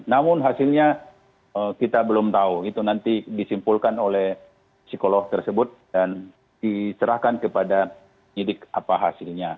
namun hasilnya kita belum tahu itu nanti disimpulkan oleh psikolog tersebut dan diserahkan kepada nyidik apa hasilnya